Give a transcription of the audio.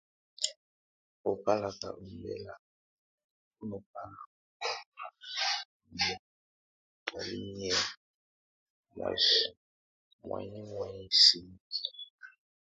Obálak ombɛlak, mbʼ o nóbal o wɔn mba nɔ́yek mɛ neliŋe muɛŋɛŋ isim ɛki.